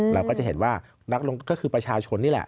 เราก็จะเห็นว่านักลงก็คือประชาชนนี่แหละ